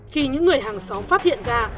khi những người hàng xóm phát hiện ra